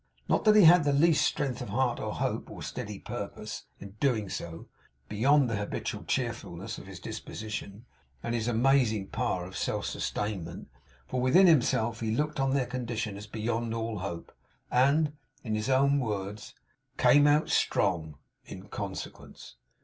Not that he had the least strength of heart or hope, or steady purpose in so doing, beyond the habitual cheerfulness of his disposition, and his amazing power of self sustainment; for within himself, he looked on their condition as beyond all hope, and, in his own words, 'came out strong' in consequence.